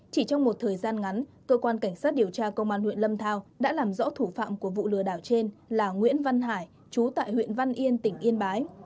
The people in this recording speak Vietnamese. chỉ trong một thời gian ngắn cơ quan cảnh sát điều tra công an huyện lâm thao đã làm rõ thủ phạm của vụ lừa đảo trên là nguyễn văn hải chú tại huyện văn yên tỉnh yên bái